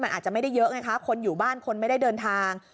มันอาจจะไม่ได้เยอะไงคะคนอยู่บ้านคนไม่ได้เดินทาง